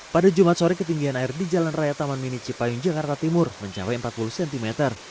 pada jumat sore ketinggian air di jalan raya taman mini cipayung jakarta timur mencapai empat puluh cm